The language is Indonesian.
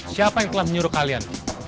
siapa yang telah menyuruh kalian